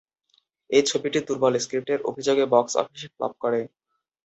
এই ছবিটি দুর্বল স্ক্রিপ্টের অভিযোগে বক্স অফিসে ফ্লপ করে।